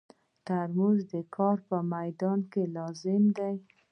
ترموز د کار په مېدان کې لازم دی.